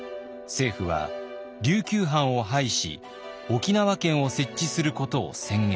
政府は琉球藩を廃し沖縄県を設置することを宣言。